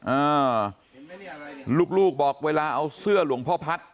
อ่าลูกลูกบอกเวลาเอาเสื้อหลวงพ่อพัฒน์